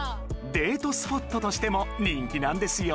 デートスポットとしても人気なんですよ